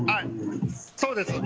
そうです。